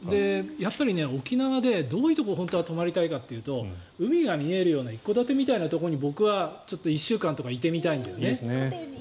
やっぱり、沖縄でどういうところに本当は泊まりたいかというと海が見えるような一戸建てみたいなところに１週間とかいてみたいんだよね。